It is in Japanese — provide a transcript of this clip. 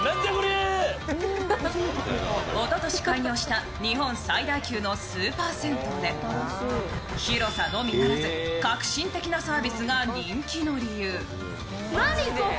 おととし開業した日本最大級のスーパー銭湯で広さのみならず革新的なサービスが人気の理由。